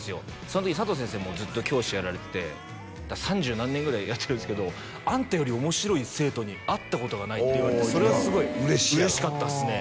その時佐藤先生もずっと教師やられてて三十何年ぐらいやってるんですけど「あんたより面白い生徒に会ったことがない」って言われてそれはすごい嬉しかったっすね